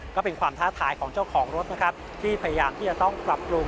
ก็เป็นความท้าทายของเจ้าของรถนะครับที่พยายามที่จะต้องปรับปรุง